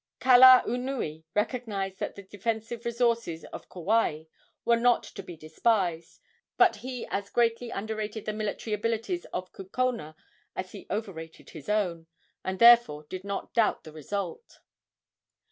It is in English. Kalaunui recognized that the defensive resources of Kauai were not to be despised, but he as greatly underrated the military abilities of Kukona as he overrated his own, and therefore did not doubt the result.